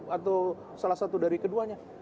atau salah satu dari keduanya